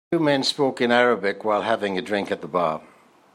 Two men spoke in Arabic while having a drink at the bar.